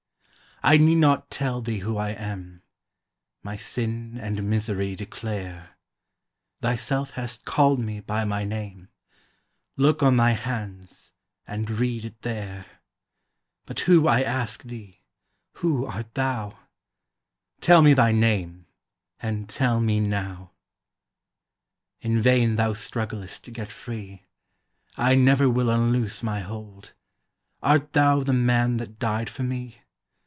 I need not tell thee who I am; My sin and misery declare; Thyself hast called me by my name; Look on thy hands, and read it there; But who, I ask thee, who art thou? Tell me thy name, and tell me now. In vain thou strugglest to get free; I never will unloose my hold: Art thou the Man that died for me?